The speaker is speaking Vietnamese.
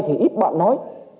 thì ít bạn nói